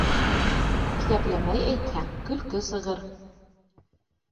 Иҫәпләмәй әйтһәң, көлкө сығыр.